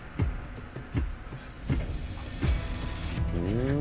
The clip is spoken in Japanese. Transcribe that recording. うん！